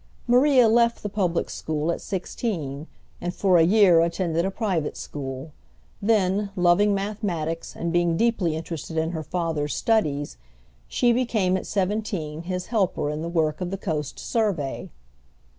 Maria left the public school at sixteen, and for a year attended a private school; then, loving mathematics, and being deeply interested in her father's studies, she became at seventeen his helper in the work of the Coast Survey.